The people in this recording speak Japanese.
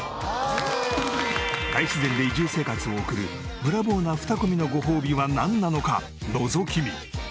大自然で移住生活を送るブラボーな２組のごほうびはなんなのかのぞき見。